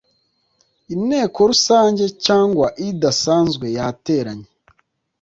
i nteko rusange cyangwa idasanzwe yateranye